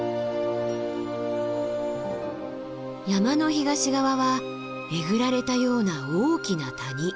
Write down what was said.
山の東側はえぐられたような大きな谷。